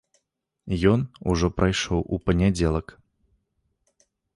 Ён ужо прайшоў у панядзелак.